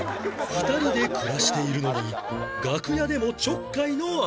２人で暮らしているのに楽屋でもちょっかいの嵐